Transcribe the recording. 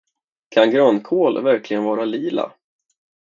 Kan grönkål verkligen vara lila?